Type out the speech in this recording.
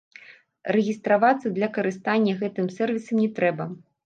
Рэгістравацца для карыстання гэтым сэрвісам не трэба.